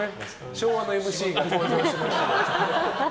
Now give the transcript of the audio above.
昭和のＭＣが登場しました。